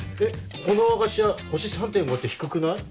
ここの和菓子屋星３．５って低くない？